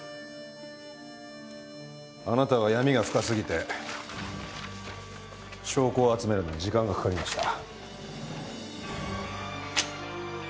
あなたは闇が深すぎて証拠を集めるのに時間がかかりました。